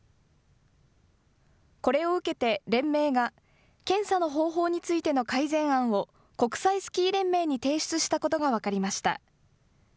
これを受けて連盟が、検査の方法についての改善案を、国際スキー連盟に提出したことが分かりました。